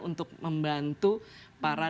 untuk membantu para